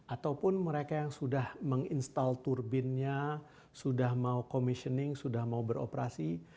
ataupun mereka yang sudah menginstal turbinnya sudah mau commissioning sudah mau beroperasi